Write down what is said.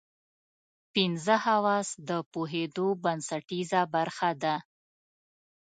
پنځه حواس د پوهېدو بنسټیزه برخه ده.